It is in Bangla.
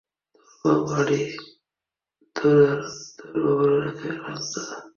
তোর মা বাড়ির, তোর আর তোর বাবার অনেক খেয়াল রাখত।